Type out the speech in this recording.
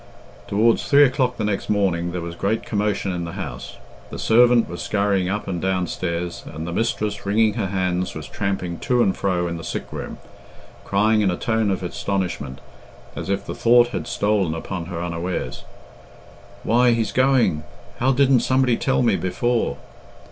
Towards three o'clock the next morning there was great commotion in the house. The servant was scurrying up and downstairs, and the mistress, wringing her hands, was tramping to and fro in the sick room, crying in a tone of astonishment, as if the thought had stolen upon her unawares, "Why, he's going! How didn't somebody tell me before?"